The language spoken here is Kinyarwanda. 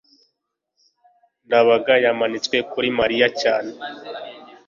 ndabaga yamanitswe kuri mariya cyane